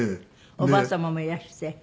おばあ様もいらして。